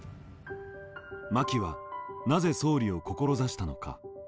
真木はなぜ総理を志したのか。